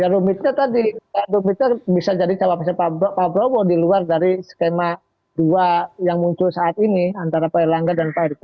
rumitnya tadi rumitnya bisa jadi cw pak prabowo di luar dari skema dua yang muncul saat ini antara pak erlangga dan pak ertokhir